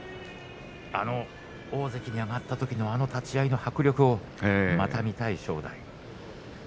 大関に上がったときのあの立ち合いの迫力をまた見たい正代。